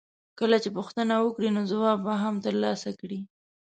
کله چې پوښتنه وکړې نو ځواب به هم ترلاسه کړې.